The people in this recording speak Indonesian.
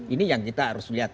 ini yang kita harus lihat